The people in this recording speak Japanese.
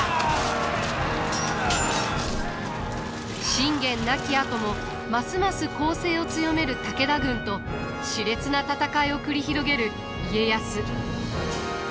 信玄亡きあともますます攻勢を強める武田軍としれつな戦いを繰り広げる家康。